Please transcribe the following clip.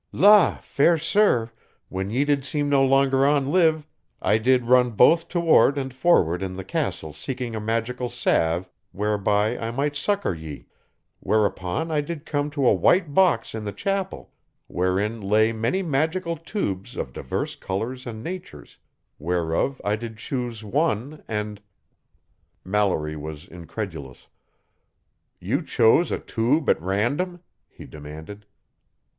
"La! fair sir, when ye did seem no longer on live I did run both toward and forward in the castle seeking a magical salve whereby I might succor ye, whereupon I did come to a white box in the chapel wherein lay many magical tubes of diverse colors and natures whereof I did choose one and " Mallory was incredulous. "You chose a tube at random?" he demanded.